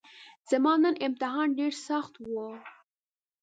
زما نن امتحان ډیرسخت وو